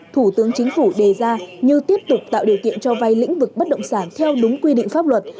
thủ tướng chính phủ đề ra như tiếp tục tạo điều kiện cho vay lĩnh vực bất động sản theo đúng quy định pháp luật